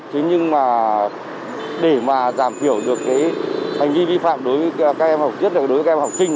thế nhưng mà để mà giảm thiểu được hành vi vi phạm đối với các em học sinh